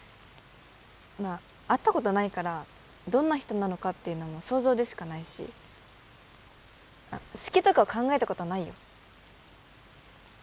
まあ会ったことないからどんな人なのかっていうのも想像でしかないし好きとか考えたことないよ